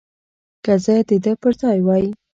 که زه د ده پر ځای وای.